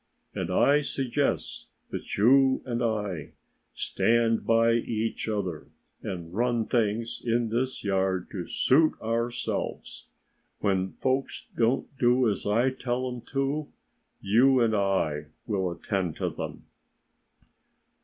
And I suggest that you and I stand by each other and run things in this yard to suit ourselves. When folks don't do as I tell them to, you and I will attend to them."